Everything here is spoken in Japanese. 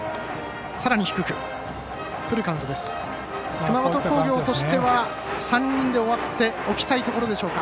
熊本工業としては３人で終わっておきたいところでしょうか。